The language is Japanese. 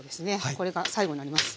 これが最後になります。